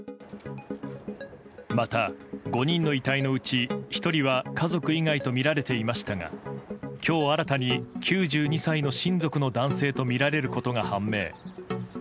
また、５人の遺体のうち１人は家族以外とみられていましたが今日新たに９２歳の親族の男性とみられることが判明。